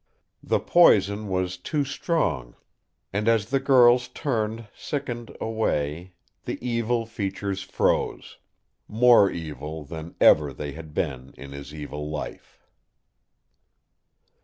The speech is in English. The poison was too strong, and as the girls turned, sickened, away, the evil features froze, more evil than ever they had been in his evil life.